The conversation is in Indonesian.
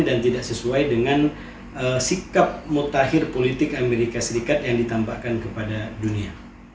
dan tidak sesuai dengan sikap mutakhir politik amerika serikat yang ditampakkan kepada dunia